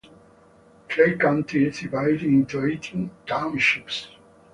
Clay County is divided into eighteen townships.